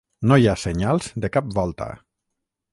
No hi ha senyals de cap volta.